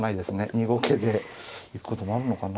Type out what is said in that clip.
２五桂で行くこともあるのかな。